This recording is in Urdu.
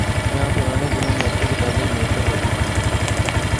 جہاں پرانے دنوں میں اچھی کتابیں میسر ہوتی تھیں۔